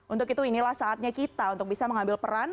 untuk itu inilah saatnya kita untuk bisa mengambil peran